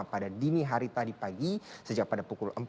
pada dini hari tadi pagi sejak pada pukul empat